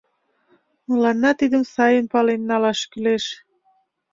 Мыланна тидым сайын пален налаш кӱлеш.